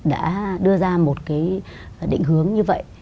đã đưa ra một định hướng như vậy